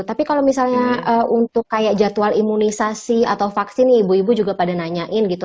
tapi kalau misalnya untuk kayak jadwal imunisasi atau vaksin nih ibu ibu juga pada nanyain gitu